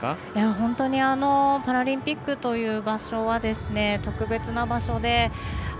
本当にパラリンピックという場所は特別な場所で。